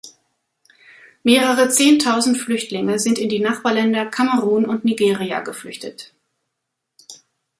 Mehrere zehntausend Flüchtlinge sind in die Nachbarländer Kamerun und Nigeria geflüchtet.